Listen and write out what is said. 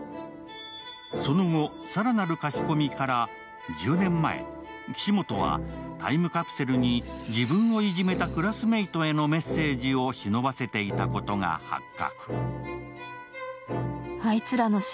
その後、更なる書き込みから１０年前、岸本はタイムカプセルに自分をいじめたクラスメートメッセージをしのばせていたことが発覚。